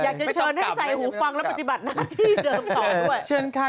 อยากจะเชิญให้ใส่หูฟังแล้วปฏิบัติหน้าที่เดิมต่อด้วยเชิญค่ะ